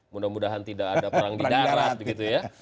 mudah mudahan tidak ada perang di darat